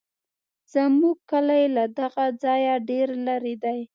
زموږ کلی له دغه ځایه ډېر لرې دی.